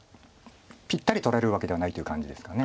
ぴったり取られるわけではないという感じですか。